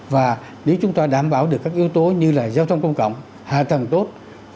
và nếu chúng ta đảm bảo được các yếu tố như là giao thông công cộng hạ tầng tốt